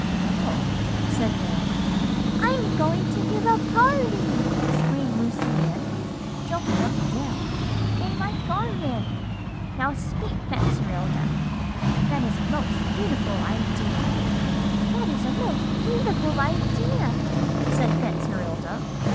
"Oh!" said Van. "'I'm going to give a party,' screamed Lucy Ann, jumping up and down, 'in my garden. Now speak, Betserilda, and say that is a most beautiful idea.' "'That is a most beautiful idea,' said Betserilda.